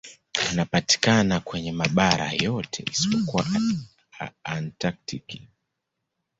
Wanapatikana kwenye mabara yote isipokuwa Antaktiki.